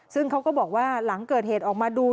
ซึ่งเขาก็บอกว่าหลังเกิดเหตุออกมาดู